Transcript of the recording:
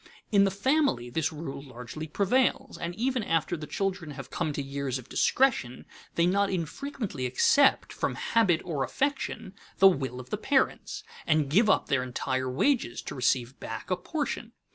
In the family this rule largely prevails, and even after the children have come to years of discretion they not infrequently accept, from habit or affection, the will of the parents, and give up their entire wages to receive back a portion.